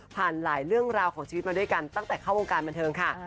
หลายเรื่องราวของชีวิตมาด้วยกันตั้งแต่เข้าวงการบันเทิงค่ะ